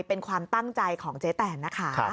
เป็นความตั้งใจของเจ๊แตนนะคะ